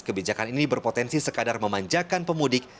kebijakan ini berpotensi sekadar memanjakan pemudik